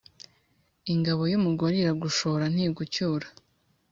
Ingabo y’umugore iragushora ntigucyura.